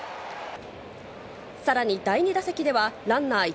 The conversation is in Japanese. さらに第２打席では、ランナー１